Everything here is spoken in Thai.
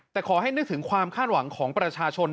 แต่ขอให้นึกถึงความคาดหวังของประชาชน